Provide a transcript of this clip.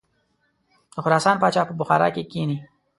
د خراسان پاچا په بخارا کې کښیني.